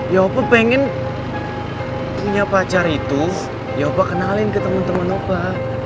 ya opa pengen punya pacar itu ya opa kenalin ke temen temen opa